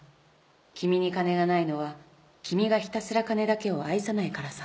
「君に金がないのは君がひたすら金だけを愛さないからさ」